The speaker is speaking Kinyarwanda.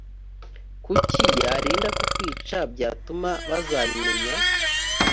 kuki yarinda kukwica byatuma bazabimenya